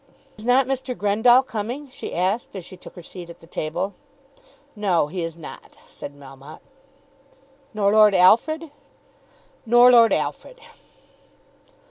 "Is not Mr. Grendall coming?" she asked, as she took her seat at the table. "No, he is not," said Melmotte. "Nor Lord Alfred?" "Nor Lord Alfred."